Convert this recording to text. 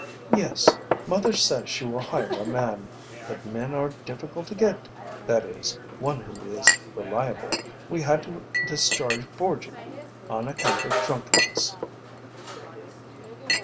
"Yes, mother says she will hire a man. But men are difficult to get that is, one who is reliable. We had to discharge Borgy on account of drunkenness."